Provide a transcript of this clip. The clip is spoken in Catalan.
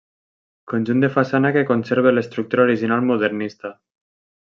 Conjunt de façana que conserva l'estructura original modernista.